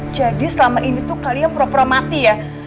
jadi selama ini kalian pro pro mati ya